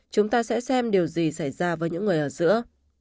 chúng ta sẽ xem điều gì xảy ra với những người ở giữa